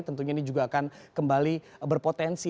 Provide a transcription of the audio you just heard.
tentunya ini juga akan kembali berpotensi